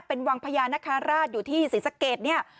เป็นวังพญานคราชอยู่ที่ศรีสะเกดเนี่ย